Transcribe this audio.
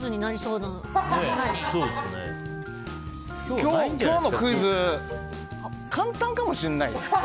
今日のクイズ簡単かもしれないです。